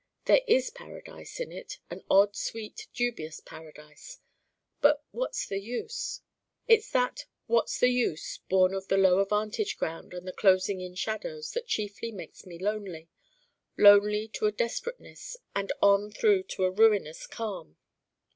There is paradise in it an odd sweet dubious paradise. But what's the use ?' It's that what's the use, born of the lower vantage ground and the closing in shadows, that chiefly makes me lonely lonely to a desperateness and on through to a ruinous calm.